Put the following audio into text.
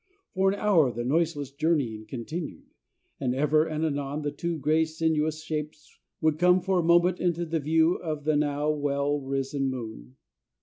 For an hour the noiseless journeying continued, and ever and anon the two gray, sinuous shapes would come for a moment into the view of the now well risen moon.